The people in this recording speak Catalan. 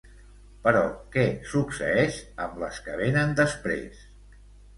Però què succeeix amb les que venen després?